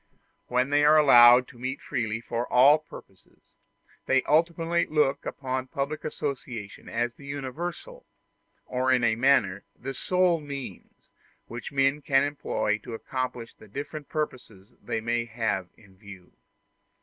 When they are allowed to meet freely for all purposes, they ultimately look upon public association as the universal, or in a manner the sole means, which men can employ to accomplish the different purposes they may have in view.